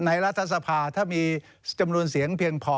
รัฐสภาถ้ามีจำนวนเสียงเพียงพอ